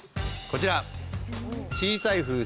こちら。